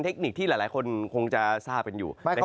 คนิคที่หลายคนคงจะทราบกันอยู่